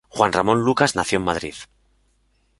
Juan Ramón Lucas nació en Madrid.